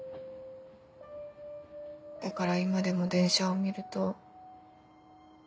だから今でも電車を見ると。